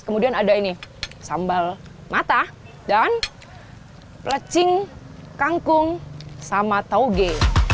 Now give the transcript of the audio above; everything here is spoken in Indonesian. kemudian ada ini sambal mata dan pelecing kangkung sama tauge